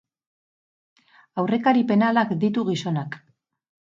Aurrekari penalak ditu gizonak.